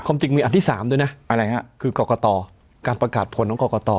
ความจริงมีอันที่๓ด้วยนะคือกรกตการประกาศผลของกรกต